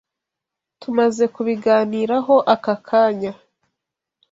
Tumaze kubiganiraho akakanya.